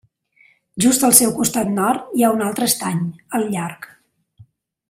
Just al seu costat nord hi ha un altre estany, el Llarg.